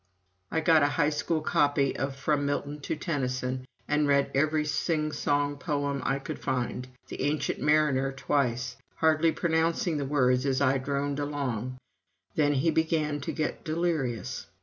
I got a high school copy of "From Milton to Tennyson," and read every sing songy poem I could find "The Ancient Mariner" twice, hardly pronouncing the words as I droned along. Then he began to get delirious.